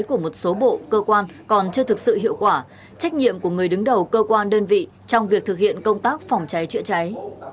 của một số bộ cơ quan còn chưa thực sự hiệu quả trách nhiệm của người đứng đầu cơ quan đơn vị trong việc thực hiện công tác phòng cháy chữa cháy